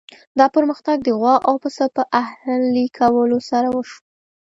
دا پرمختګ د غوا او پسه په اهلي کولو سره وشو.